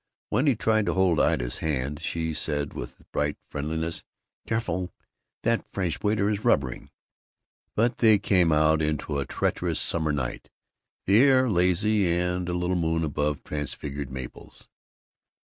When he tried to hold Ida's hand she said with bright friendliness, "Careful! That fresh waiter is rubbering." But they came out into a treacherous summer night, the air lazy and a little moon above transfigured maples.